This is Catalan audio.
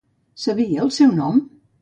Sabia el seu nom?